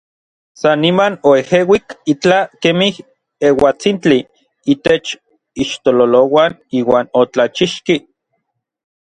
San niman oejeuik itlaj kemij euatsintli itech ixtololouan iuan otlachixki.